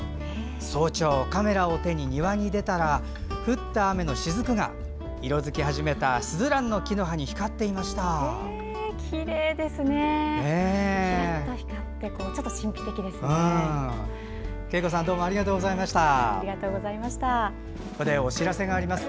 早朝、カメラを手に庭に出たら降った雨のしずくが色づき始めたスズランの木の葉に光っていました。